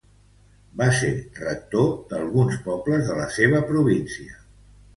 Va ser rector d'alguns pobles de la seua província.